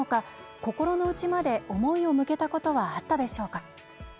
心の内まで思いを向けたことはあったでしょうか？